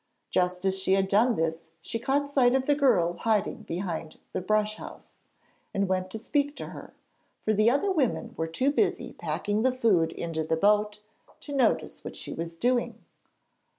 Just as she had done this she caught sight of the girl hiding behind the brush house, and went to speak to her; for the other women were too busy packing the food into the boat to notice what she was doing.